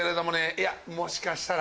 いやもしかしたら。